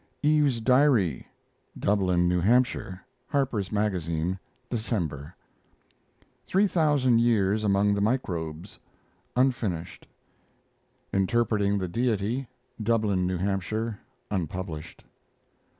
EVE'S DIARY (Dublin, New Hampshire) Harper's Magazine, December. 3,000 YEARS AMONG THE MICROBES (unfinished). INTERPRETING THE DEITY (Dublin New Hampshire) (unpublished).